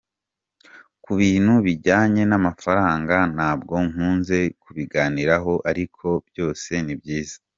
Ku bintu bijyanye n’amafaranga ntabwo nkunze kubiganiraho ariko byose ni byiza.